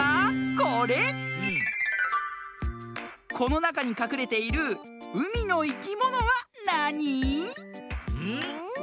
このなかにかくれている「うみのいきもの」はなに？